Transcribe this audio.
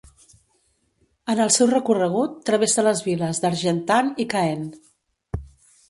En el seu recorregut travessa les viles d'Argentan i Caen.